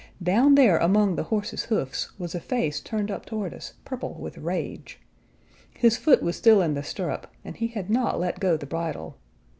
Down there among the horses' hoofs was a face turned up toward us, purple with rage. His foot was still in the stirrup, and he had not let go the bridle.